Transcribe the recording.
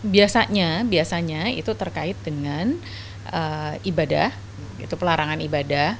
biasanya biasanya itu terkait dengan ibadah pelarangan ibadah